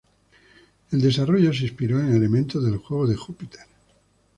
El desarrollo se inspiró en elementos del juego de Jupiter.